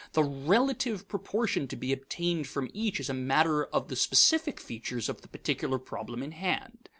The relative proportion to be obtained from each is a matter of the specific features of the particular problem in hand.